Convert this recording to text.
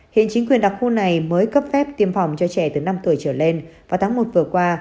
hiện chính quyền đặc khu này mới cấp phép tiêm phòng cho trẻ từ năm tuổi trở lên vào tháng một vừa qua